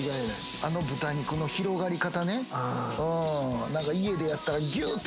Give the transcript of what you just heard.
あの豚肉の広がり方ね。